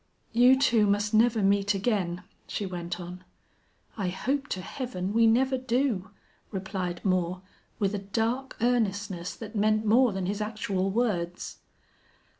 "You two must never meet again," she went on. "I hope to Heaven we never do," replied Moore, with a dark earnestness that meant more than his actual words.